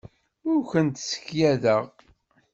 Ur kent-ssekyadeɣ.